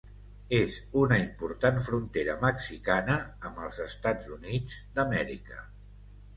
És una important frontera mexicana amb els Estats Units d'Amèrica.